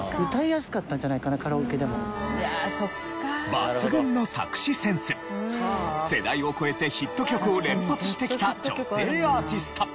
抜群の作詞センス世代を超えてヒット曲を連発してきた女性アーティスト。